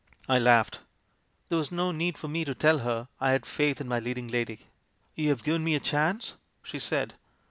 "I laughed. There was no need for me to tell her I had faith in my leading lady. " 'You have given me a chance!' she said.